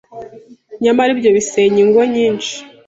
nyamara ibyo bisenya ingo nyinshi.